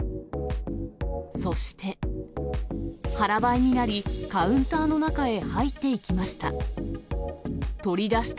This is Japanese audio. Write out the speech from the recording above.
そして、腹ばいになり、カウンターの中へ入っていきました。